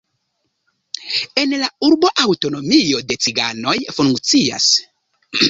En la urbo aŭtonomio de ciganoj funkcias.